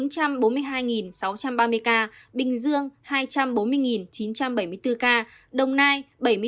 bốn trăm bốn mươi hai sáu trăm ba mươi ca bình dương hai trăm bốn mươi chín trăm bảy mươi bốn ca đồng nai bảy mươi bốn chín trăm một mươi ba ca long an ba mươi sáu một trăm hai mươi ca